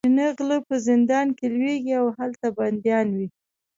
کوچني غله په زندان کې لویېږي او هلته بندیان وي.